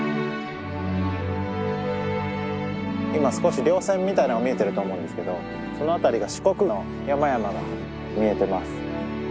今少し稜線みたいのが見えてると思うんですけどその辺りが四国の山々が見えてます。